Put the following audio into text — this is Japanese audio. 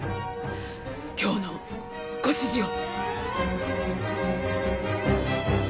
今日のご指示を。